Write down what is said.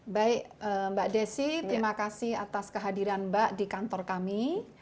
baik mbak desi terima kasih atas kehadiran mbak di kantor kami